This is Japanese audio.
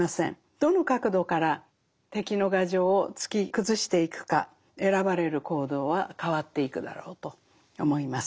どの角度から敵の牙城を突き崩していくか選ばれる行動は変わっていくだろうと思います。